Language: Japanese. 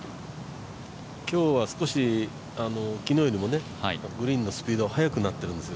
今日は少し、昨日よりもグリーンのスピードが速くなってるんですよ